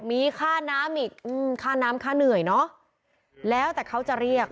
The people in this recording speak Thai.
มีค่าน้ำอีกอืมค่าน้ำค่าเหนื่อยเนอะแล้วแต่เขาจะเรียก